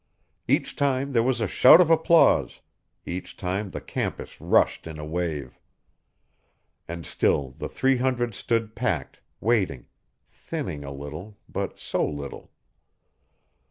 Each time there was a shout of applause; each time the campus rushed in a wave. And still the three hundred stood packed, waiting thinning a little, but so little.